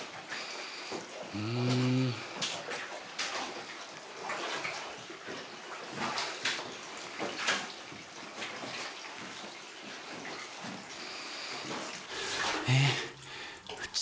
うん。えっ？